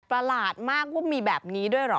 หลาดมากว่ามีแบบนี้ด้วยเหรอ